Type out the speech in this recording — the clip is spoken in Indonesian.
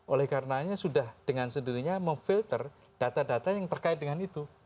oleh karenanya sudah dengan sendirinya memfilter data data yang terkait dengan itu